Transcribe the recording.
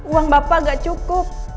uang bapak gak cukup